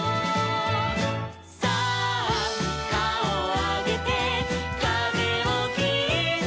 「さあかおをあげてかぜをきって」